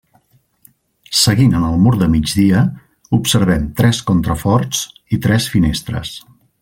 Seguint en el mur de migdia, observem tres contraforts i tres finestres.